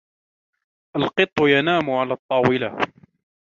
القط ينام على الطاولة.